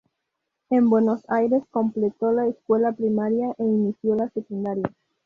En Buenos Aires completó la escuela primaria e inició la secundaria.